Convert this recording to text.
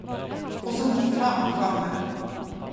Och så var fan framme.